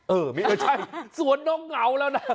เออไม่ใช่สวนนกเหงาแล้วนะ